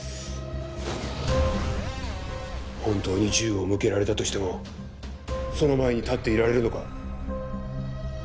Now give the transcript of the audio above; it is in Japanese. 本当に銃を向けられたとしてもその前に立っていられるのか？